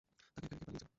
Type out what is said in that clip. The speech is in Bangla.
তাকে একা রেখে পালিয়ে যা!